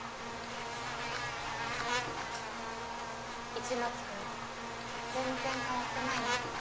市松君全然変わってないね。